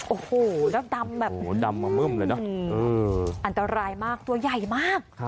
โอ้โฮแล้วดำแบบอันตรายมากตัวใหญ่มาก